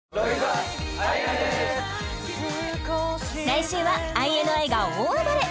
来週はＩＮＩが大暴れ！